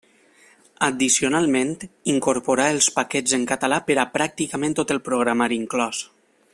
Addicionalment, incorporà els paquets en català per a pràcticament tot el programari inclòs.